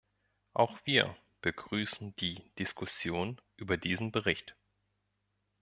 Auch wir begrüßen die Diskussion über diesen Bericht.